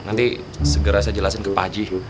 nanti segera saya jelasin ke pak haji